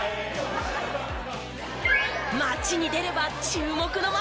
街に出れば注目の的。